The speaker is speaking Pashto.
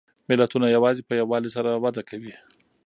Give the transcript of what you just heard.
ملتونه یوازې په یووالي سره وده کوي.